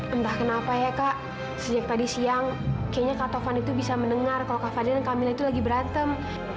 entah kenapa ya kak sejak tadi siang kayaknya kak tovan itu bisa mendengar kalau kak fadil dan camilan itu lagi berantem